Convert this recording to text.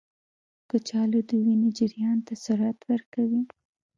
کچالو د وینې جریان ته سرعت ورکوي.